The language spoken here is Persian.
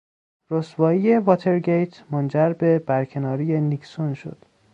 رسوایی واترگیت منجر به برکناری نیکسون شد.